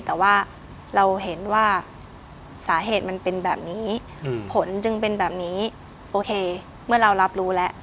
แต่ว่าเราเห็นว่าสาเหตุมันเป็นแบบนี้ผลจึงเป็นแบบนี้โอเคเมื่อเรารับรู้แล้ว